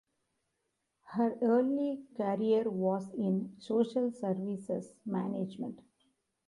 Her early career was in social services management.